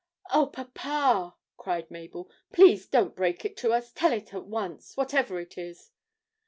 'Oh, papa,' cried Mabel, 'please don't break it to us tell it at once, whatever it is!'